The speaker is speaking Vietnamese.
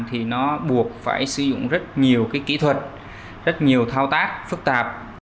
thì nó buộc phải sử dụng rất nhiều cái kỹ thuật rất nhiều thao tác phức tạp